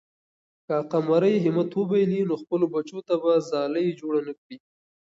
که قمرۍ همت وبایلي، نو خپلو بچو ته به ځالۍ جوړه نه کړي.